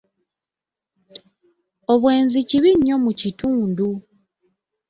Obwenzi kibi nnyo mu kitundu.